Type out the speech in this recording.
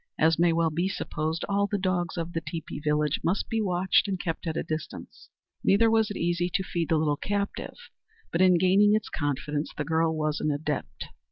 As may well be supposed, all the dogs of the teepee village must be watched and kept at a distance. Neither was it easy to feed the little captive; but in gaining its confidence the girl was an adept.